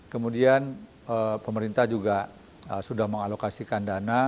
kemudian pemerintah juga sudah mengalokasikan dana